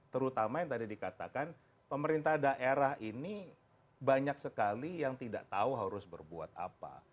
terutama yang tadi dikatakan pemerintah daerah ini banyak sekali yang tidak tahu harus berbuat apa